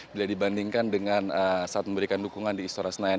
bila dibandingkan dengan saat memberikan dukungan di istora senayan